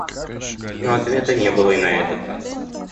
Но ответа не было и на этот раз.